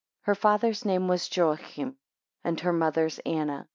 2 Her father's name was Joachim, and her mother's Anna.